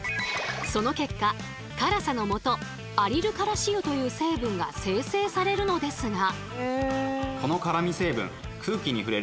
その結果辛さのもと「アリルカラシ油」という成分が生成されるのですが。